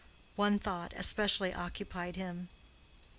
One thought especially occupied him.